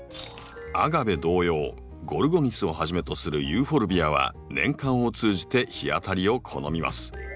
アガベ同様ゴルゴニスをはじめとするユーフォルビアは年間を通じて日当たりを好みます。